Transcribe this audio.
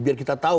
biar kita tahu